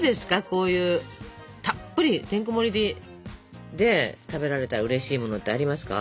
こういうたっぷりてんこもりで食べられたらうれしいものってありますか？